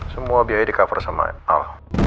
semua biaya di cover sama al